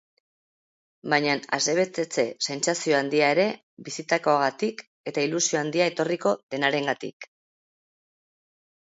Baina asebetetze sentsazio handia ere bizitakoagatik eta ilusio handia etorriko denarengatik.